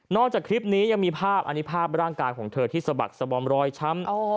จากคลิปนี้ยังมีภาพอันนี้ภาพร่างกายของเธอที่สะบักสบอมรอยช้ำ